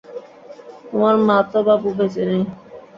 তোমার মা তো বাপু বেঁচে নেই।